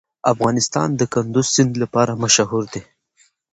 افغانستان د کندز سیند لپاره مشهور دی.